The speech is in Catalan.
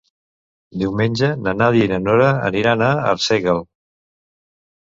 Diumenge na Nàdia i na Nora aniran a Arsèguel.